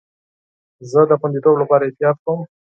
زه د خوندیتوب لپاره احتیاط کوم.